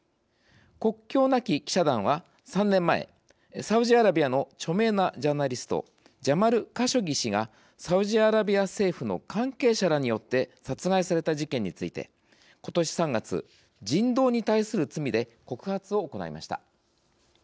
国境なき記者団は、３年前サウジアラビアの著名なジャーナリストジャマル・カショギ氏がサウジアラビア政府の関係者らによって殺害された事件についてことし３月、人道に対する罪で告発を行いました。